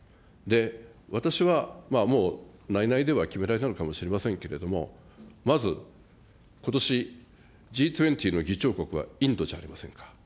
私は、もう内々では決められたのかもしれませんけれども、まず、ことし、Ｇ２０の議長国はインドじゃありませんか。